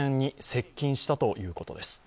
接近したということです。